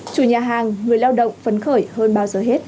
chủ nhà hàng người lao động phấn khởi hơn bao giờ hết